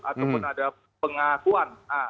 ataupun ada pengakuan